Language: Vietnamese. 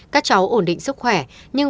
các cháu ổn định sức khỏe nhưng